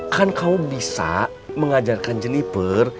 kan kamu bisa mengajarkan jeniper